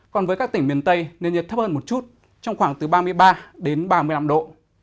còn với các tỉnh miền tây nền nhiệt thấp hơn một chút trong khoảng từ ba mươi ba đến ba mươi năm độ